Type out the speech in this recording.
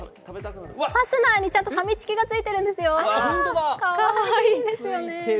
ファスナーにちゃんとファミチキがついているんですよ、かわいいですよね。